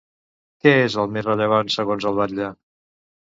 Què és el més rellevant segons el batlle?